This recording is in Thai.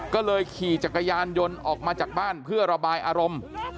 ก็เลยขี่จักรยานยนต์ออกมาจากบ้านเพื่อระบายอารมณ์